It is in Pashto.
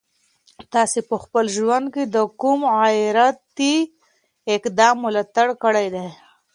تاسي په خپل ژوند کي د کوم غیرتي اقدام ملاتړ کړی دی؟